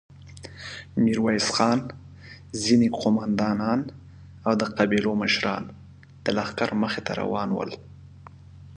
ميرويس خان، ځينې قوماندانان او د قبيلو مشران د لښکر مخې ته روان ول.